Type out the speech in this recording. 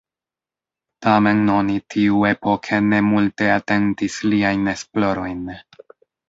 Tamen oni tiuepoke ne multe atentis liajn esplorojn.